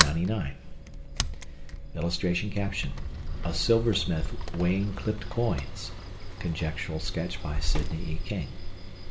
[Illustration: A SILVERSMITH WEIGHING CLIPPED COINS. (Conjectural sketch by Sidney E. King.)